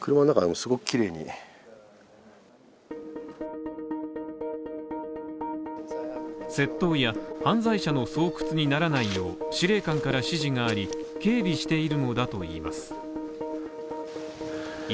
すごく綺麗に窃盗や犯罪者の巣窟にならないよう、司令官から指示があり、警備していると言います。